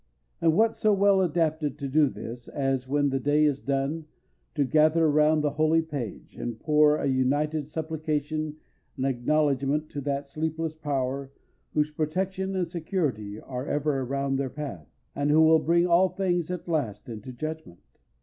And what so well adapted to do this as, when the day is done, to gather around the holy page, and pour a united supplication and acknowledgment to that sleepless Power whose protection and security are ever around their path, and who will bring all things at last into judgment?